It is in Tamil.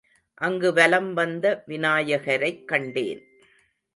அங்கு வலம் வந்த விநாயகரைக் கண்டேன்.